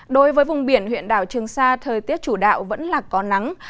đối với vùng biển huyện đảo trường sa thời tiết chủ đạo vẫn là có nắng